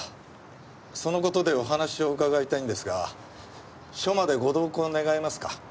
その事でお話を伺いたいんですが署までご同行願えますか？